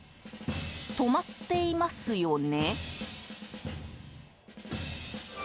止まっていますよね？